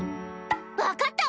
分かったわ！